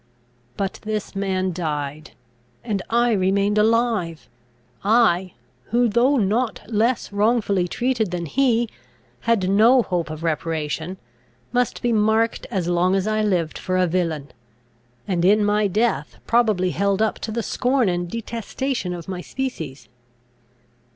But this man died; and I remained alive! I, who, though not less wrongfully treated than he, had no hope of reparation, must be marked as long as I lived for a villain, and in my death probably held up to the scorn and detestation of my species!